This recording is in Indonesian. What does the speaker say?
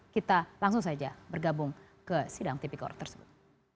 kita langsung saja bergabung ke sidang tv kor tersebut